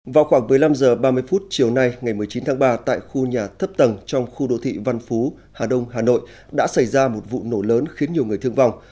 vào khoảng một mươi năm h ba mươi chiều nay ngày một mươi chín tháng ba tại khu nhà thấp tầng trong khu đô thị văn phú hà đông hà nội đã xảy ra một vụ nổ lớn khiến nhiều người thương vong